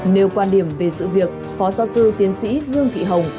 nêu quan điểm về sự việc phó giáo sư tiến sĩ dương thị hồng